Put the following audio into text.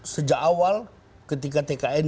sejak awal ketika tkn